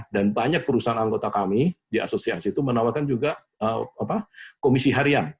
banyak perusahaan anggota kami di asosiasi itu menawarkan juga komisi harian